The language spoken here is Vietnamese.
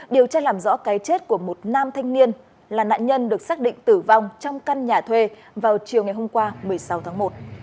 điều tra làm rõ cái chết của một nam thanh niên là nạn nhân được xác định tử vong trong căn nhà thuê vào chiều ngày hôm qua một mươi sáu tháng một